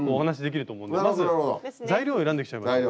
まず材料を選んできちゃいましょう。